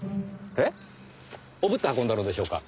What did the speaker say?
えっ？おぶって運んだのでしょうか？